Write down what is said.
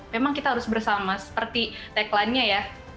memang kita harus bersama seperti tagline nya ya